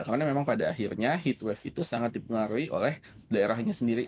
karena memang pada akhirnya heat wave itu sangat dipengaruhi oleh daerahnya sendiri